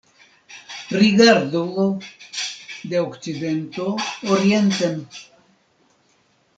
Rigardo de okcidento orienten.